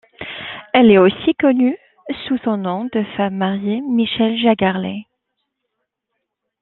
Elle est aussi connue sous son nom de femme mariée, Michelle Jaggard-Lai.